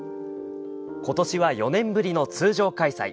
今年は、４年ぶりの通常開催。